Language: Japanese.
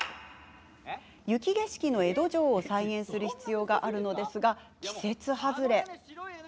雪景色の江戸城を再現する必要があるのですが、季節外れ。